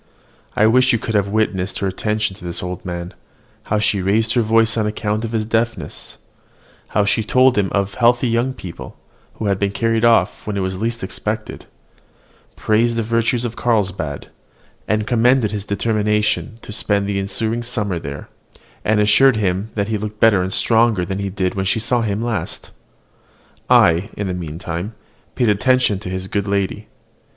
I wish you could have witnessed her attention to this old man, how she raised her voice on account of his deafness; how she told him of healthy young people, who had been carried off when it was least expected; praised the virtues of Carlsbad, and commended his determination to spend the ensuing summer there; and assured him that he looked better and stronger than he did when she saw him last. I, in the meantime, paid attention to his good lady.